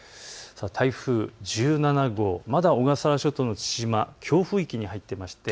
台風１７号、まだ小笠原諸島の父島、強風域に入っています。